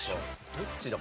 どっちだ？